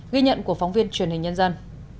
ghi nhận của phóng viên truyền hình nhân dân